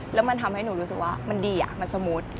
แล้วมันทำให้หนูรู้สึกว่ามันดีมันสมูท